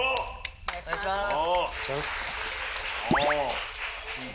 お願いします。